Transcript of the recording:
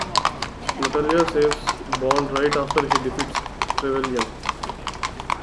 Natalya saves Bond right after he defeats Trevelyan.